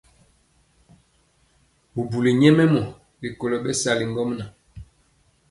Bubuli nyɛmemɔ rikolo bɛsali ŋgomnaŋ.